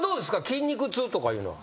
筋肉痛とかいうのは。